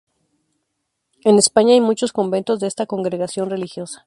En España, hay muchos conventos de esta congregación religiosa.